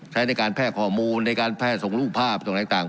ใช้ในการแพร่ข้อมูลในการแพร่ส่งรูปภาพส่งอะไรต่าง